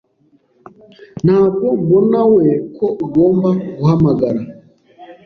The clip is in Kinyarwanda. Ntabwo mbonawe ko ugomba guhamagara .